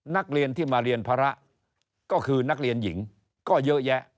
นักเรียนที่มาเรียนภาระก็คือนักเรียนหญิงก็เยอะแยะ